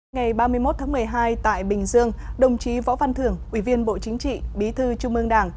ngày ba mươi một tháng một mươi hai tại bình dương đồng chí võ văn thưởng ủy viên bộ chính trị bí thư trung ương đảng